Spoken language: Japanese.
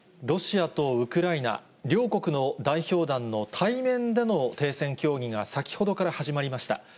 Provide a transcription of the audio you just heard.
ロシアとウクライナ、両国の代表団の対面での停戦協議が先ほどから始まりました。